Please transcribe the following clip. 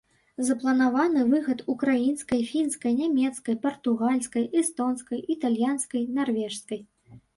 Запланаваны выхад ўкраінскай, фінскай, нямецкай, партугальскай, эстонскай, італьянскай, нарвежскай.